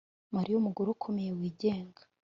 Mariya numugore ukomeye wigenga